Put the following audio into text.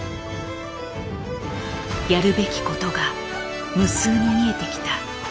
やるべきことが無数に見えてきた。